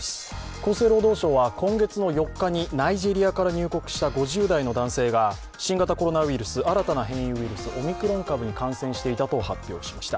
厚生労働省は今月４日にナイジェリアから入国した５０代の男性が新型コロナウイルス新たな変異ウイルス、オミクロン株に感染していたと発表しました。